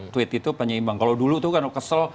tweet itu penyeimbang kalau dulu tuh kalau kesel